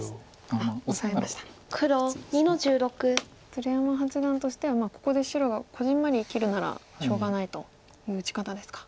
鶴山八段としてはここで白こぢんまり生きるならしょうがないという打ち方ですか。